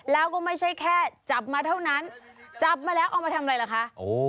แล้วก็ไม่ใช่แค่จับมาเท่านั้นจับมาแล้วเอามาทำอะไรล่ะคะ